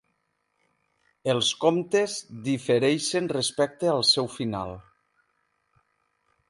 Els comptes difereixen respecte al seu final.